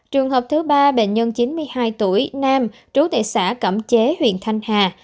trường hợp thứ ba bệnh nhân chín mươi hai tuổi nam trú tại xã cẩm chế huyện thanh hà